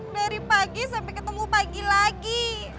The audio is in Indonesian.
dari pagi sampai ketemu pagi lagi